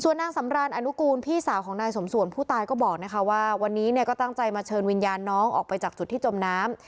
นางสำรานอนุกูลพี่สาวของนายสมส่วนผู้ตายก็บอกนะคะว่าวันนี้เนี่ยก็ตั้งใจมาเชิญวิญญาณน้องออกไปจากจุดที่จมน้ำ